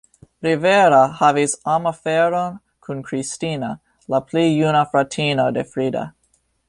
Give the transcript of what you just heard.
Rivera havis amaferon kun Cristina, la pli juna fratino de Frida.